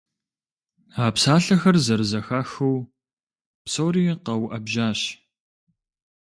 А псалъэхэр зэрызэхахыу псори къэуӀэбжьащ.